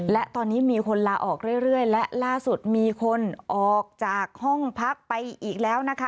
และตอนนี้มีคนลาออกเรื่อยและล่าสุดมีคนออกจากห้องพักไปอีกแล้วนะคะ